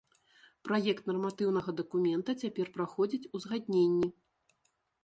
Праект нарматыўнага дакумента цяпер праходзіць узгадненні.